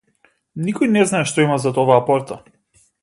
Никој не знае што има зад оваа порта.